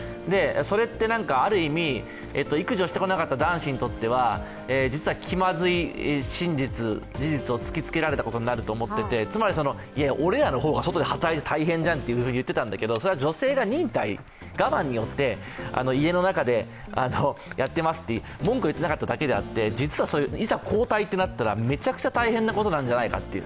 それってある意味、育児をしてこなかった男子にとっては実は気まずい真実、事実を突きつけられたことになると思っててつまり、俺らの方が外で働いてて大変じゃんと言ってたんですがそれは女性が忍耐、我慢によって家の中でやってますっと文句言ってなかっただけであっていざ交代となったらめちゃくちゃ大変なことじゃないかっていう。